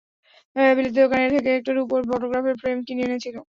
বিলাতি দোকানের থেকে একটা রুপোর ফোটোগ্রাফের ফ্রেম কিনে এনেছিল।